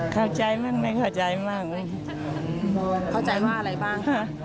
เข้าใจว่าอะไรบ้าง